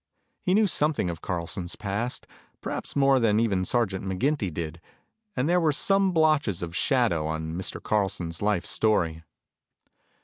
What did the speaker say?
He knew something of Carlson's past, perhaps more than even Sergeant McGinty did, and there were some blotches of shadow on Mr. Carlson's life story.